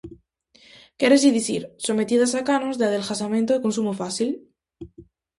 Quérese dicir, sometidas a canons de adelgazamento e consumo fácil.